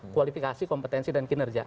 kualifikasi kompetensi dan kinerja